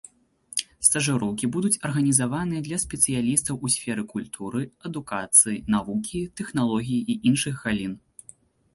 Стажыроўкі будуць арганізаваныя для спецыялістаў у сферы культуры, адукацыі, навукі, тэхналогій і іншых галін.